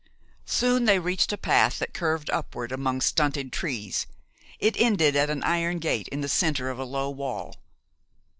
Soon they reached a path that curved upward among stunted trees. It ended at an iron gate in the center of a low wall.